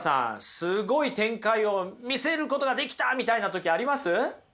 すごい展開を見せることができたみたいな時あります？